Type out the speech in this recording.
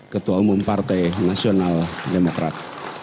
ketua umum partai nasional demokrat